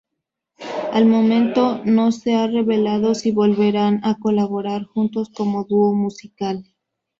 Al momento no se ha revelado si volverán a colaborar juntos como dúo musical.